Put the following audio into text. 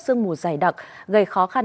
sương mù dày đặc gây khó khăn